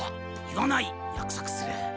言わないやくそくする。